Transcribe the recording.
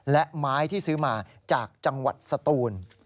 และไม้ที่ซื้อมาจากจังหวัดสตูน